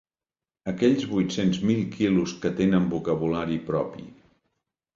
Aquells vuit-cents mil quilos que tenen vocabulari propi.